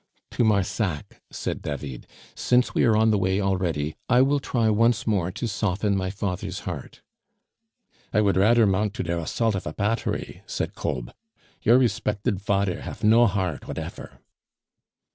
"To Marsac," said David; "since we are on the way already, I will try once more to soften my father's heart." "I would rader mount to der assault of a pattery," said Kolb, "your resbected fader haf no heart whatefer."